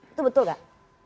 itu betul gak